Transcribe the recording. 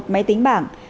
một máy tính bảng